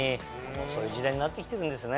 そういう時代になってきてるんですね。